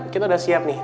kita udah siap nih